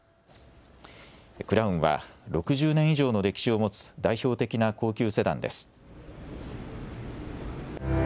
クラウンは６０年以上の歴史を持つ代表的な高級セダンです。